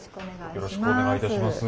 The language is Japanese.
よろしくお願いします。